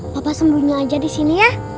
bapak sembunyi aja di sini ya